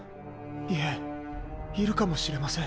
いえいるかもしれません。